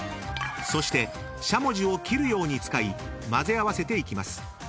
［そしてしゃもじを切るように使い混ぜ合わせていきます。